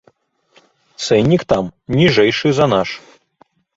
Цэннік там ніжэйшы за наш.